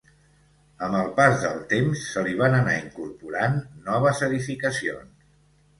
Amb el pas del temps, se li van anar incorporant noves edificacions.